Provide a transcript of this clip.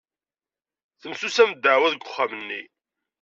Temsusam ddeɛwa deg uxxam-nni.